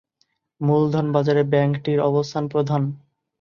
মূলধন বাজারে ব্যাংকটির অবস্থান প্রধান।